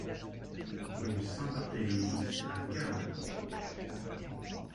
Rue Saint-Barthelémy à Cahors